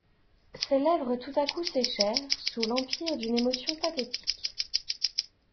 Ses lèvres tout à coup séchèrent, sous l'empire d'une émotion pathétique.